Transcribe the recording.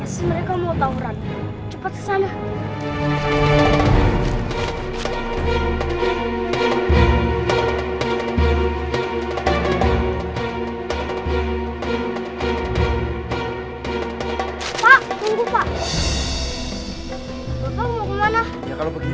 seringkali dia bicara sendiri